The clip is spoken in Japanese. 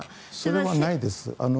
それはないです。